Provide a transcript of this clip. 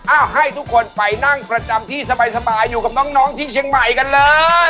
ให้ทุกคนไปนั่งประจำที่สบายอยู่กับน้องที่เชียงใหม่กันเลย